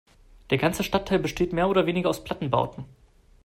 Der ganze Stadtteil besteht mehr oder weniger aus Plattenbauten.